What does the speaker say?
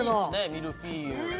ミルフィーユ